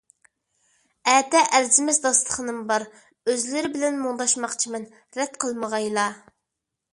ئەتە ئەرزىمەس داستىخىنىم بار، ئۆزلىرى بىلەن مۇڭداشماقچىمەن، رەت قىلمىغايلا.